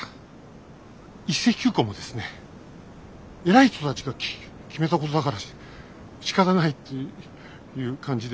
一斉休校もですね偉い人たちが決めたことだからしかたないっていう感じで。